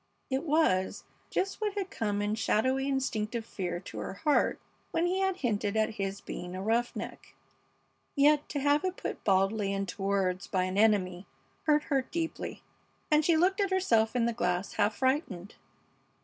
It was just what had come in shadowy, instinctive fear to her heart when he had hinted at his being a "roughneck," yet to have it put baldly into words by an enemy hurt her deeply, and she looked at herself in the glass half frightened.